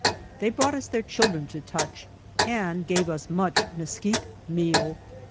They brought us their children to touch, and gave us much mezquite meal.